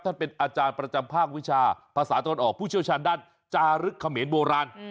เป็นอาจารย์ประจำภาควิชาภาษาตะวันออกผู้เชี่ยวชาญด้านจารึกเขมรโบราณ